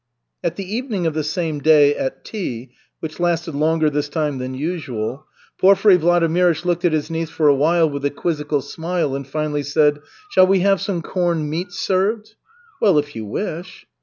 The evening of the same day, at tea, which lasted longer this time than usual, Porfiry Vladimirych looked at his niece for a while with a quizzical smile, and finally said: "Shall we have some corned meats served?" "Well, if you wish."